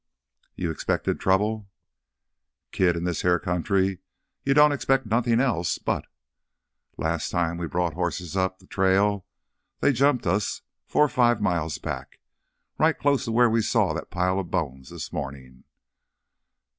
"You expected trouble?" "Kid, in this here country you don't expect nothin' else but. Last time we brought hosses up th' trail they jumped us four, five miles back—right close to where we saw that pile of bones this mornin'.